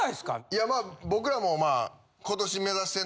いやまあ僕らもまあ。